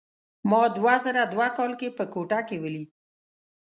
ما دوه زره دوه کال کې په کوټه کې ولید.